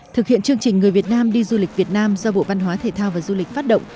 thực hiện chương trình người việt nam đi du lịch việt nam do bộ văn hóa thể thao và du lịch phát động